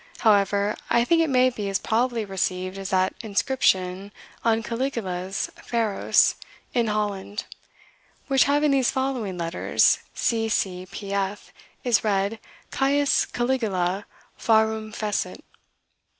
However, I think it may be as probably received as that inscription on Caligula's Pharos in Holland, which having these following letters, C. C. P. F., is read Caius Caligula Pharum Fecit."